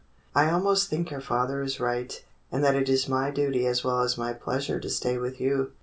I almost think your father is right, and that it is my duty as well as my pleasure to stay with you."